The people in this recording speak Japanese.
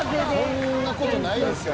こんな事ないですよ